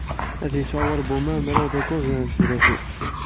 Ad yesɛu walbum-a mraw d ukkuẓ n tezlatin.